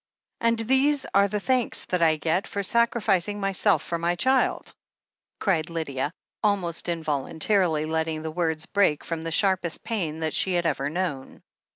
"And these are the thanks that I get for sacrificing myself for my child !" cried Lydia, almost involuntarily letting the words break from the sharpest pain that she had ever known.